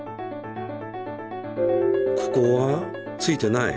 ここはついてない。